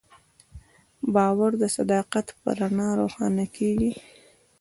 باور د صداقت په رڼا روښانه کېږي.